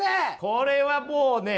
これはもうね。